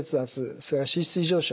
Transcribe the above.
それから脂質異常症